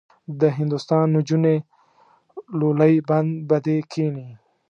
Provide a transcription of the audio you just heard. د هندوستان نجونې لولۍ بند به دې کیني.